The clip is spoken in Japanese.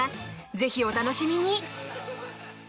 ぜひお楽しみに！